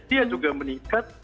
dia juga meningkat